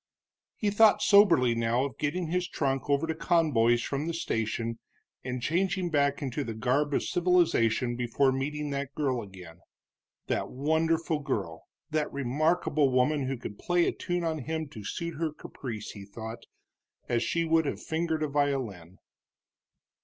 He thought soberly now of getting his trunk over to Conboy's from the station and changing back into the garb of civilization before meeting that girl again, that wonderful girl, that remarkable woman who could play a tune on him to suit her caprice, he thought, as she would have fingered a violin.